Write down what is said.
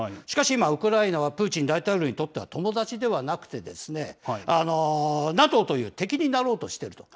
しかし、ウクライナはプーチン大統領にとっては友達ではなくて、ＮＡＴＯという敵になろうとしている。